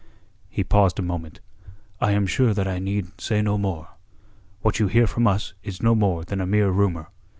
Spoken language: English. He paused a moment. "I am sure that I need say no more. What you hear from us is no more than a mere rumour.